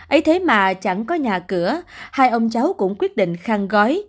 ây thế mà chẳng có nhà cửa hai ông cháu cũng quyết định khăn gói